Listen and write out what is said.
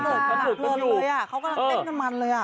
เขากำลังเล่นกันมันเลย